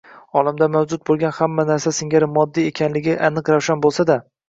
olamda mavjud bo‘lgan hamma narsa singari moddiy ekanligi aniq-ravshan bo‘lsa-da